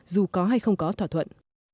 dù có hay không có thỏa thuận